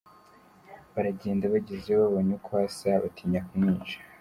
Baragenda, bagezeyo babonye uko asa, batinya kumwica.